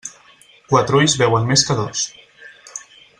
Quatre ulls veuen més que dos.